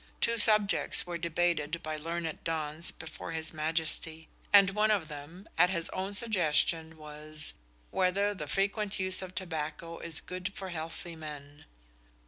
Two subjects were debated by learned dons before his Majesty, and one of them, at his own suggestion, was, "Whether the frequent use of tobacco is good for healthy men?"